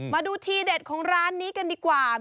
มาดูทีเด็ดของร้านนี้กันดีกว่า